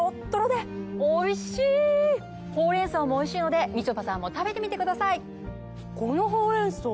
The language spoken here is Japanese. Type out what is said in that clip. ほうれん草もおいしいのでみちょぱさんも食べてみてください。